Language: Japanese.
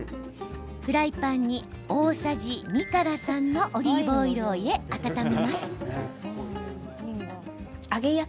フライパンに大さじ２から３のオリーブオイルを入れ温めます。